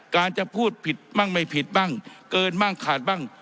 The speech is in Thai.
การจะพูดผิดบ้างไม่ผิดบ้างเกินบ้างขาดบ้าง